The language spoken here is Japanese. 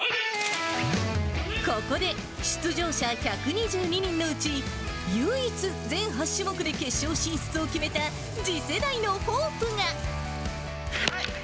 ここで出場者１２２人のうち、唯一、全８種目で決勝進出を決めた次世代のホープが。